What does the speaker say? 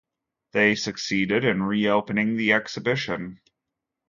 They succeeded in reopening the exhibition.